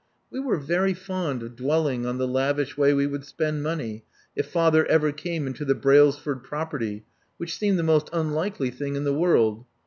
We were very fond of dwelling on the lavish way we would spend money if father ever came into the Brailsford property, which seemed the most unlikely thing in the world.